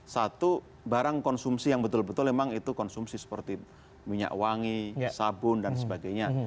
satu barang konsumsi yang betul betul memang itu konsumsi seperti minyak wangi sabun dan sebagainya